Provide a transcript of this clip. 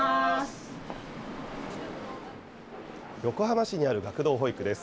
横浜市にある学童保育です。